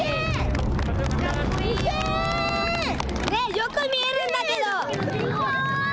よく見えるんだけど！